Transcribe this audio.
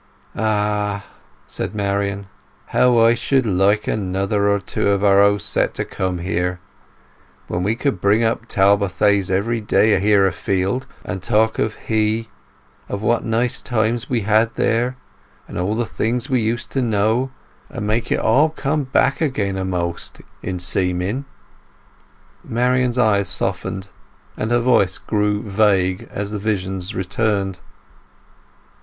"Ah," said Marian, "how I should like another or two of our old set to come here! Then we could bring up Talbothays every day here afield, and talk of he, and of what nice times we had there, and o' the old things we used to know, and make it all come back a'most, in seeming!" Marian's eyes softened, and her voice grew vague as the visions returned.